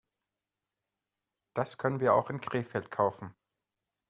Das können wir auch in Krefeld kaufen